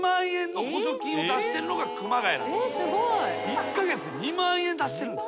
１カ月２万円出してるんです。